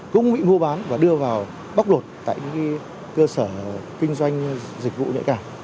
cũng bị mô bán và đưa vào bóc lột tại những cơ sở kinh doanh dịch vụ này cả